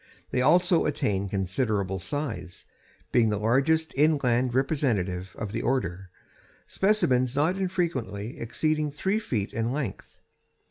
They also attain considerable size, being the largest inland representative of the order, specimens not infrequently exceeding three feet in length.